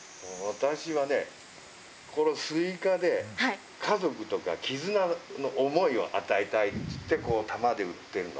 私はね、このすいかで、家族とか絆の想いを与えたいって言って、玉で売ってるの。